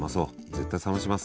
絶対冷まします。